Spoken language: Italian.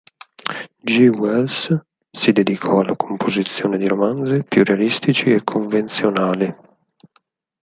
G. Wells si dedicò alla composizione di romanzi più realistici e convenzionali.